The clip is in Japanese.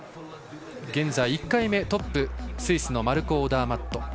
現在、１回目トップはスイスのマルコ・オダーマット。